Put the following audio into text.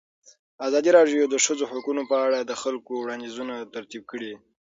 ازادي راډیو د د ښځو حقونه په اړه د خلکو وړاندیزونه ترتیب کړي.